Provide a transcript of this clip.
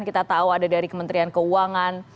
kita tahu ada dari kementerian keuangan